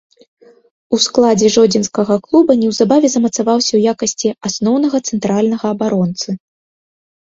У складзе жодзінскага клуба неўзабаве замацаваўся ў якасці асноўнага цэнтральнага абаронцы.